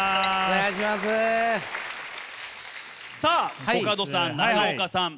さあコカドさん中岡さん。